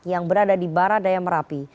yang berada di baradaya merapi